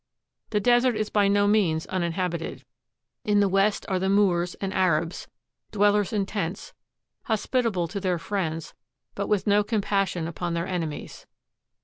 The desert is by no means uninhabited. In the west are the Moors and Arabs, dwellers in tents, hospitable to their friends, but with no compassion upon their enemies.